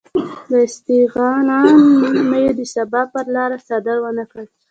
له استغنا مې د سبا پرلاره څار ونه کړ